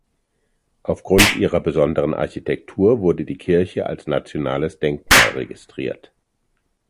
Auf Grund ihrer besonderen Architektur wurde die Kirche als nationales Denkmal registriert.